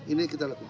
ini kita lakukan